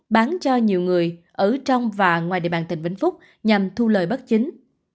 bán cho nhiều người ở trong và ngoài địa bàn tỉnh vĩnh phúc nhằm thu lời bất chính